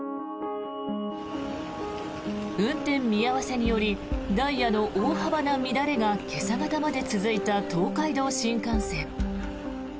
運転見合わせによりダイヤの大幅な乱れが今朝方まで続いた東海道新幹線。